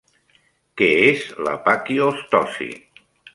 Què és la paquiostosi?